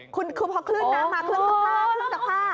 คุณพอคลื่นน้ำมาเครื่องซักผ้า